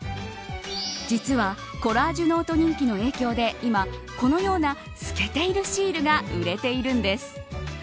実はコラージュノート人気の影響で今、このような透けているシールが売れているんです。